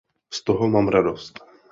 Z toho mám radost.